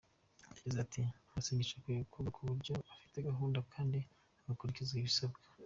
Yagize ati “Amasengesho akwiye gukorwa mu buryo bufite gahunda kandi hagakurikizwa ibisabwa.